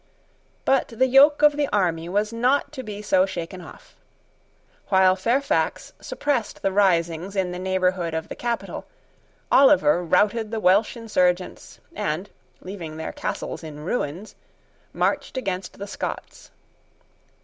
But the yoke of the army was not to be so shaken off. While Fairfax suppressed the risings in the neighbourhood of the capital, Oliver routed the Welsh insurgents, and, leaving their castles in ruins, marched against the Scots.